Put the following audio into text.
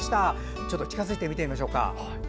ちょっと近づいて見てみましょうか。